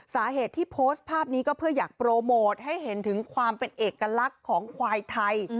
สาเหตุที่โพสต์ภาพนี้ก็เพื่ออยากโปรโมทให้เห็นถึงความเป็นเอกลักษณ์ของควายไทย